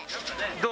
どう？